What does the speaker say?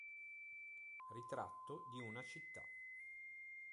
Ritratto di una città".